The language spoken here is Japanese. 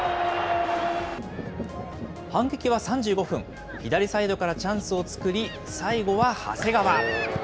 反撃は３５分、左サイドからチャンスを作り、最後は長谷川。